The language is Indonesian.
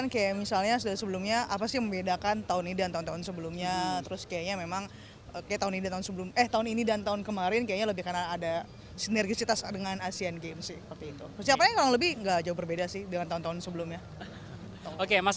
kru yang akan menempatkan kursi di belakang layar